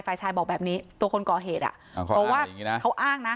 ฝ่ายชายบอกแบบนี้ตัวคนก่อเหตุอ่ะเพราะว่าเขาอ้างนะ